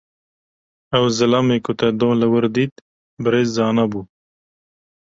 Ew zilamê ku te doh li wir dît, Birêz Zana bû.